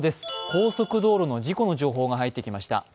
高速道路の事故の情報が入ってきました。